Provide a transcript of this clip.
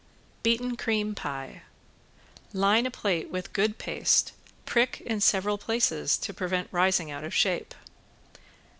~BEATEN CREAM PIE~ Line a plate with good paste, prick in several places to prevent rising out of shape.